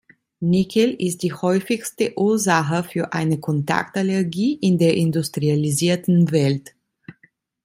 Nickel ist die häufigste Ursache für eine Kontaktallergie in der industrialisierten Welt.